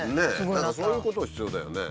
何かそういうこと必要だよね。